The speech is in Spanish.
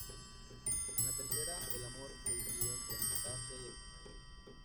En la tercera el amor prohibido entre Anastasia y el panadero.